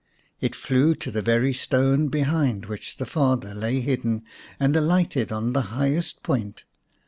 It flew to the very stone behind which the father lay hidden, and alighted on the highest point.